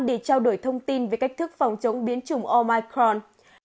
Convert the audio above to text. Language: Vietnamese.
để trao đổi thông tin về cách thức phòng chống biến chủng omicron